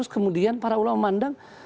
kemudian para ulama memandang